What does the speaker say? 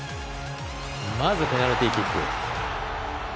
まず、ペナルティーキック。